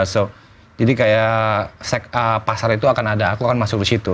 so jadi kayak pasar itu akan ada aku akan masuk ke situ